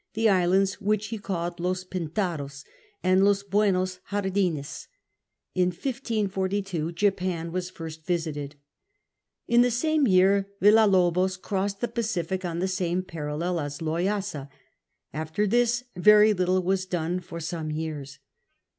the islands which he called Los Pintados and Los Buenos Jardines. In 1542 Japan was first visited In the same year Villalobos crossed the Pacific on the same i>arallel as Loyasa. After this very little was done for some years.